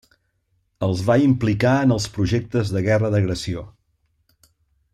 Els va implicar en els projectes de guerra d'agressió.